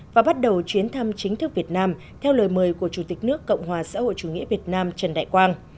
và bắt đầu chuyến thăm chính thức việt nam theo lời mời của chủ tịch nước cộng hòa xã hội chủ nghĩa việt nam trần đại quang